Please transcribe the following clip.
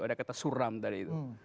ada kata suram tadi itu